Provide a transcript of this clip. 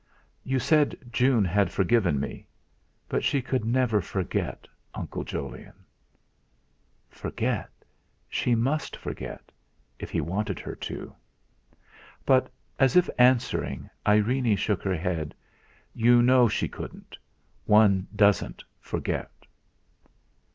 "You said June had forgiven me; but she could never forget, Uncle Jolyon." Forget! She must forget, if he wanted her to. But as if answering, Irene shook her head. "You know she couldn't; one doesn't forget."